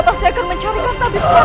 nampak tak berdahanlah putraku ibu nda